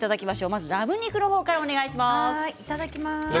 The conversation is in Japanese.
まずラム肉の方からお願いします。